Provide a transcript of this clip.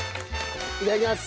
いただきます。